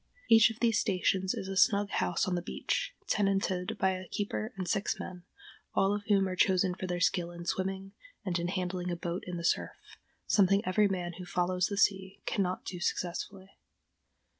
Each of these stations is a snug house on the beach, tenanted by a keeper and six men, all of whom are chosen for their skill in swimming, and in handling a boat in the surf—something every man who "follows the sea" cannot do successfully.